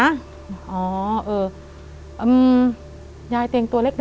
อะยายเต๋งตัวเล็กป่ะ